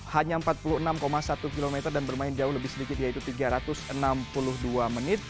hanya empat puluh enam satu km dan bermain jauh lebih sedikit yaitu tiga ratus enam puluh dua menit